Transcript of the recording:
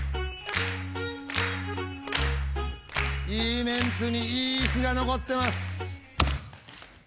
いいメンツにいいイスが残ってます。